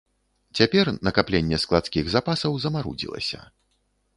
Цяпер накапленне складскіх запасаў замарудзілася.